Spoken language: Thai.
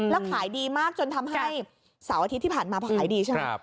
แล้วขายดีมากจนทำให้เสาร์อาทิตย์ที่ผ่านมาพอขายดีใช่ไหม